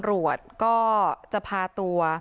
โปรดติดตามต่อไป